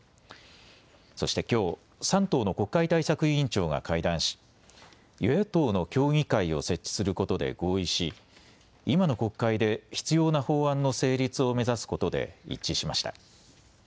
そしてきょう、３党の国会対策委員長が会談し与野党の協議会を設置することで合意し今の国会で必要な法案の成立を目指すことで一致しました。